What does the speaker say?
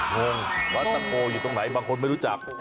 วัดตะโกอยู่ตรงไหนบางคนไม่รู้จัก